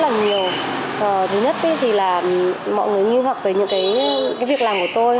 mọi người nghi hoặc với những việc làm của tôi